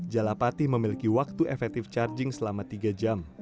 jalapati memiliki waktu efektif charging selama tiga jam